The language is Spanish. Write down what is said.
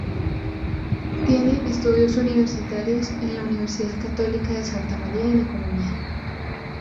Tiene estudios universitarios en la Universidad Católica de Santa María en Economía.